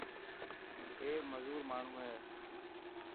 اي مزور ماڻهو هي.